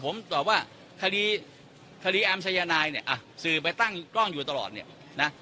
ผมตอบว่าคดีคดีแอมชายนายเนี่ยสื่อไปตั้งกล้องอยู่ตลอดเนี่ยนะ